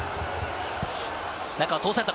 中を通された。